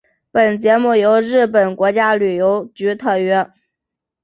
本节目由日本国家旅游局特约。